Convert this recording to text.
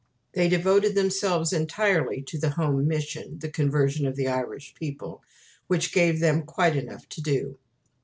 They devoted themselves entirely to the home mission the conversion of the Irish people which gave them quite enough to do.